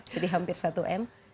jadi hampir satu m